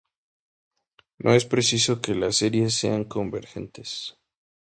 No es preciso que las series sean convergentes.